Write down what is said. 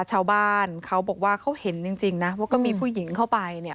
ชาวบ้านเขาบอกว่าเขาเห็นจริงนะว่าก็มีผู้หญิงเข้าไปเนี่ย